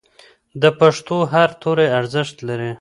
د پښتو هر توری ارزښت لري.